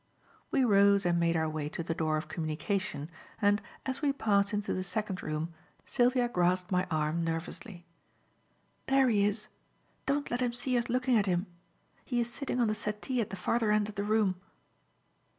We rose and made our way to the door of communication, and, as we passed into the second room, Sylvia grasped my arm nervously. "There he is don't let him see us looking at him he is sitting on the settee at the farther end of the room."